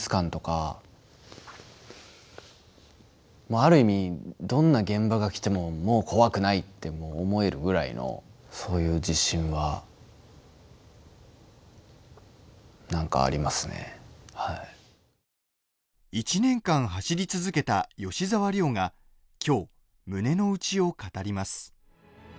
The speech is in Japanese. ある意味、どんな現場がきてももう怖くないって思えるぐらいの１年間走り続けた吉沢亮がきょう、胸の内を語ります。